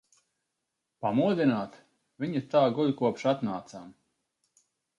Pamodināt? Viņa tā guļ, kopš atnācām.